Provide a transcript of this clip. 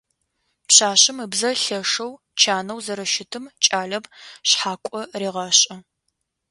Пшъашъэм ыбзэ лъэшэу чанэу зэрэщытым кӏалэм шъхьакӏо регъэшӏы.